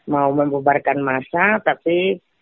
mau membubarkan massa tapi